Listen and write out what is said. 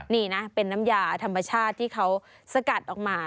นี่นะเป็นน้ำยาธรรมชาติที่เขาสกัดออกมา